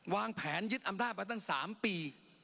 วางแผนยึดอำนาจมาตั้ง๓ปี